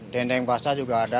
dendeng basah juga ada